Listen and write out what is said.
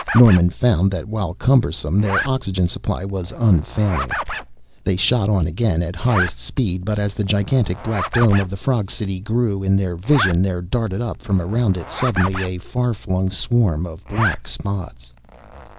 Norman found that while cumbersome their oxygen supply was unfailing. They shot on again at highest speed, but as the gigantic black dome of the frog city grew in their vision there darted up from around it suddenly a far flung swarm of black spots.